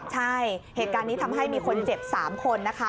ใช่เหตุการณ์นี้ทำให้มีคนเจ็บ๓คนนะคะ